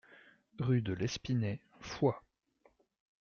Rue de l'Espinet, Foix